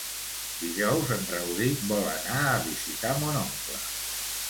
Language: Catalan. Dijous en Rauric vol anar a visitar mon oncle.